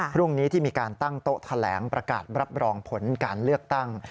พรุ่งนี้ที่มีการตั้งโต๊ะแถลงประกาศรับรองผลการเลือกตั้ง